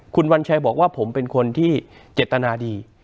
คุณวัญชัยบอกว่าผมเป็นคนที่เจตนาดี